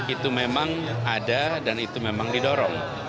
itu memang ada dan itu memang didorong